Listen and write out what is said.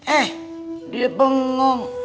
eh dia bengong